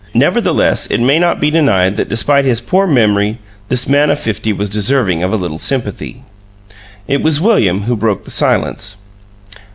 Nevertheless, it may not be denied that despite his poor memory this man of fifty was deserving of a little sympathy. It was William who broke the silence.